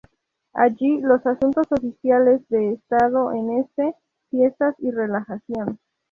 Allí los asuntos oficiales de estado, en este, fiestas y relajación.